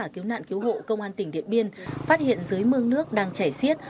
cứu nạn cứu hộ công an tỉnh điện biên phát hiện dưới mương nước đang chảy xiết